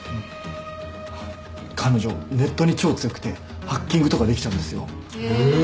彼女ネットに超強くてハッキングとかできちゃうんですよ。へ。